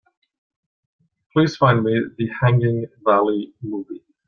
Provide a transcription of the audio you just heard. Please find me The Hanging Valley movie.